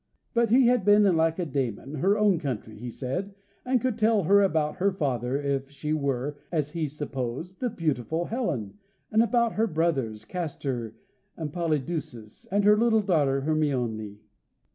But he had been in Lacedaemon, her own country, he said, and could tell her about her father, if she were, as he supposed, the beautiful Helen, and about her brothers, Castor and Polydeuces, and her little daughter, Hermione.